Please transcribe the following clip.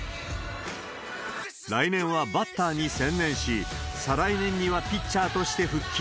来年はバッターに専念し、再来年にはピッチャーとして復帰。